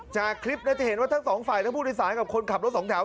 จากคลิปนี้จะเห็นตั้ง๒ฝ่ายทั้งภูทธิสารต่างคนขับรถ๒แถว